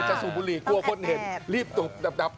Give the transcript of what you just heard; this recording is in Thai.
สูบบุหรี่กลัวคนเห็นรีบตบดับ